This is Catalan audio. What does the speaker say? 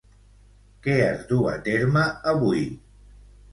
Què es du a terme avui?